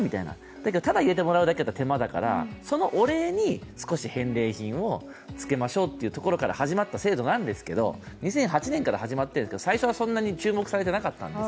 だけど、ただ入れてもらうだけだと手間だから、そのお礼に少し返礼品をつけましょうというところから始まった制度で２００８年から始まったんですけど最初はそんなに広まってなくて。